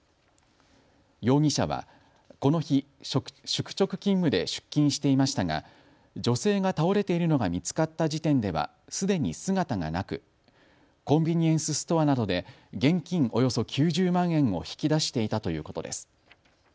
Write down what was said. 容疑者は、この日宿直勤務で出勤していましたが女性が倒れているのが見つかった時点ではすでに姿がなくコンビニエンスストアなどで現金およそ９０万円を引き出していたということです。